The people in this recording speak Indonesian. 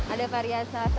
ada varian rasanya ya